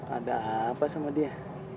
ada apa sama dia